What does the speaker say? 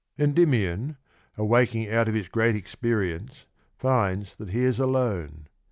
Endymion, awaking out of his great experience, finds that he is alone.